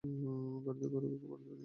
গাড়িতে করে ওকে বাড়িতে নিয়ে আয়।